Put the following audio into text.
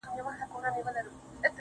لكه د مور چي د دعا خبر په لپه كــي وي_